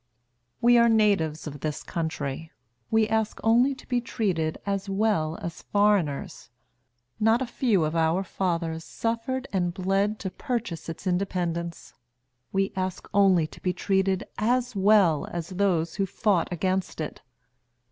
We are natives of this country; we ask only to be treated as well as foreigners. Not a few of our fathers suffered and bled to purchase its independence; we ask only to be treated as well as those who fought against it.